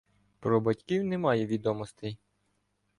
Про батьків немає відомостей.